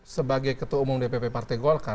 sebagai ketua umum dpp partai golkar